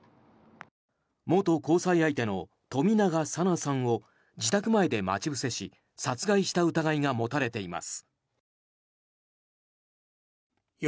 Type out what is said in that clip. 元交際相手の冨永紗菜さんを自宅前で待ち伏せし殺害した疑いが持たれています。